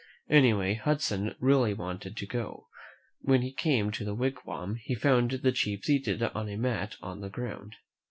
Anyway, Hudson really wanted to go. When he came to the wig wam, he found the chief seated on a mat on the ground.